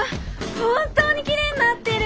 本当に綺麗になってる！